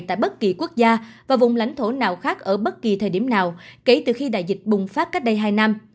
tại bất kỳ quốc gia và vùng lãnh thổ nào khác ở bất kỳ thời điểm nào kể từ khi đại dịch bùng phát cách đây hai năm